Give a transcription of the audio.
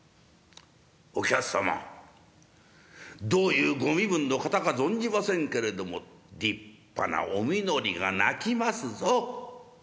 「お客様どういうご身分の方か存じませんけれども立派なお身なりが泣きますぞ。